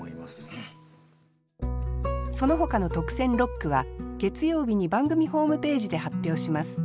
そのほかの特選六句は月曜日に番組ホームページで発表します。